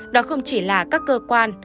đó không chỉ là các cơ quan